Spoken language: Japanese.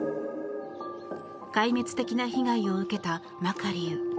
壊滅的な被害を受けたマカリウ。